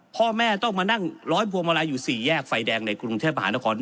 พ่อแม่ต้องมานั่งร้อยพวงมาลัยอยู่๔แยกไฟแดงในกรุงเทพมหานคร